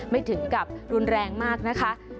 ถึงกับรุนแรงมากนะคะ